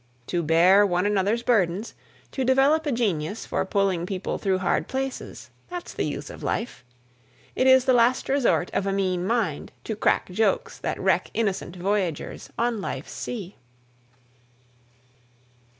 To bear one another's burdens, to develop a genius for pulling people through hard places that's the use of life. It is the last resort of a mean mind to crack jokes that wreck innocent voyagers on life's sea.